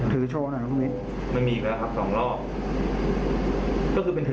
ถูกชอไว้ไม่มีอีกหรอกสองรอบก็คือเป็นหรอ